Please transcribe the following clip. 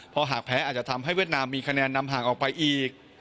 เพราะหากแพ้อาจจะทำให้เวียดนามมีคะแนนนำห่างออกไปอีก